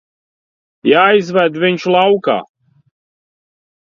Jāizved viņš laukā.